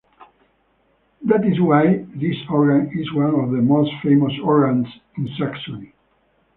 That is why this organ is one of the most famous organs in Saxony.